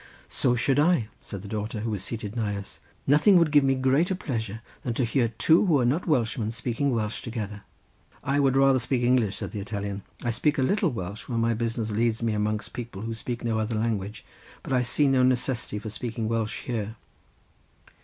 "So should I," said the daughter, who was seated nigh us; "nothing would give me greater pleasure than to hear two who are not Welshmen speaking Welsh together." "I would rather speak English," said the Italian; "I speak a little Welsh, when my business leads me amongst people who speak no other language; but I see no necessity for speaking Welsh here."